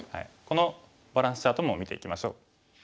このバランスチャートも見ていきましょう。